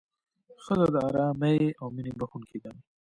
ښځه د ارامۍ او مینې بښونکې ده.